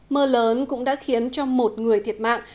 mưa lớn cũng đã khiến cho một người thiệt mạng